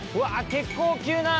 結構急な！